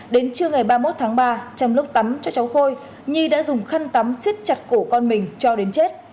đến trưa ngày ba mươi một tháng ba trong lúc tắm cho cháu khôi nhi đã dùng khăn tắm xít chặt cổ con mình cho đến chết